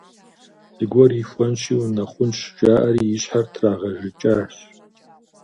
«Зыгуэр ихуэнщи унэхъунщ», – жаӏэри, и щхьэр трагъэжыкӏащ.